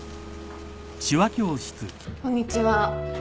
こんにちは。